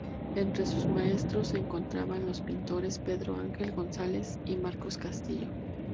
Entre sus maestros se encontraban los pintores Pedro Ángel González y Marcos Castillo.